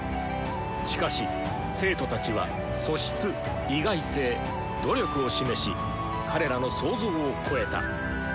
しかし生徒たちは素質意外性努力を示し彼らの想像を超えた。